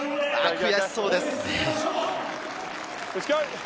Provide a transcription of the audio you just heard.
悔しそうです。